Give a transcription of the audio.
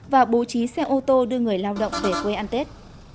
và bố trí xe ô tô đưa người lao động về quê ăn tết